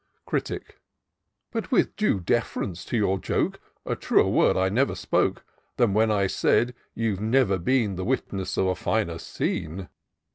'* Critic. " But, with due def 'rence to your joke, A truer word I never spoke Than when I say — ^you've never been The witness of a finer scene.